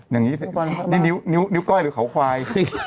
อย่างงี้สินิ้วเก้าใหม่หรือขาวควาย